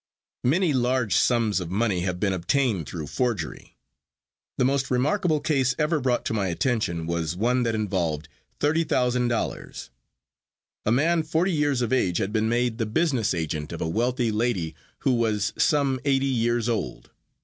Many large sums of money have been obtained through forgery. The most remarkable case ever brought to my attention was one that involved $30,000.00. A man forty years of age had been made the business agent of a wealthy lady who was some eighty years old.